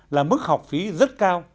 là mức học phí rất cao